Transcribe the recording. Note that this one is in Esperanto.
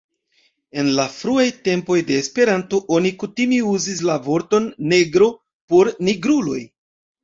En la fruaj tempoj de Esperanto, oni kutime uzis la vorton negro por nigruloj.